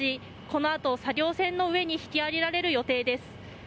このあと作業船の上に引き揚げられる予定です。